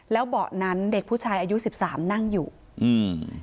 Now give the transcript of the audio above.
แล้วเบาะนั้นเด็กผู้ชายอายุสิบสามนั่งอยู่อืม